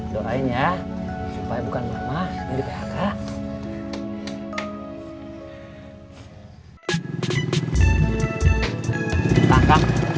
doain ya supaya bukan mama yang di phk